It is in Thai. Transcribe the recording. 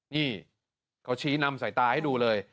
นี่เขาชี้นำสายตาให้ดูเลย